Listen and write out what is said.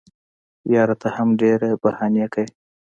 یاره ته هم ډېري بهانې کیې.